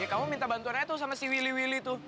ya kamu minta bantuan aja tuh sama si willy willy